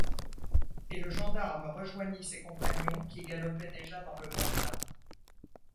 Et le gendarme rejoignit ses compagnons, qui galopaient déjà dans le lointain.